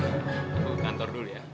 aku ke kantor dulu ya